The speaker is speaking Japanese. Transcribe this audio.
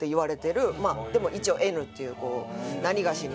でも一応「Ｎ」っていうなにがしに。